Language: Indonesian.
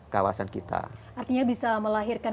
kawasan kita artinya bisa melahirkan